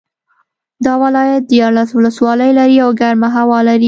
دا ولایت دیارلس ولسوالۍ لري او ګرمه هوا لري